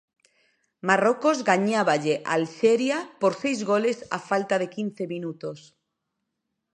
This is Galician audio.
Marrocos gañáballe a Alxeria por seis goles á falta de quince minutos.